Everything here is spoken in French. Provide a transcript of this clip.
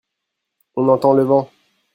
On entend le vent.